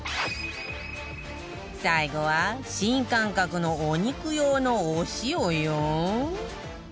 最後は新感覚のお肉用のお塩よ